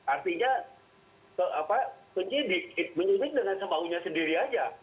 artinya penyidik menyidik dengan semaunya sendiri aja